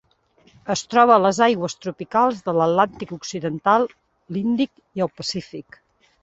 Es troba a les aigües tropicals de l'Atlàntic occidental, l'Índic i el Pacífic.